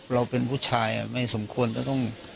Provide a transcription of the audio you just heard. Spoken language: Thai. เราเป็นผู้ชายไม่สมควรจะต้อง